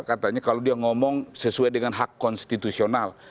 katanya kalau dia ngomong sesuai dengan hak konstitusional